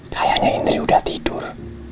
kayaknya indri udah tidur